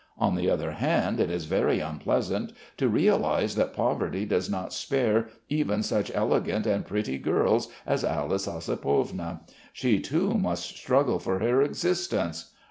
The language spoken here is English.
"On the other hand it is very unpleasant to realise that poverty does not spare even such elegant and pretty girls as Alice Ossipovna; she, too, must struggle for her existence.